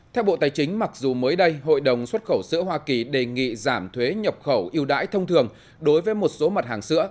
theo bộ tài chính mặc dù mới đây hội đồng xuất khẩu sữa hoa kỳ đề nghị giảm thuế nhập khẩu yêu đãi thông thường đối với một số mặt hàng sữa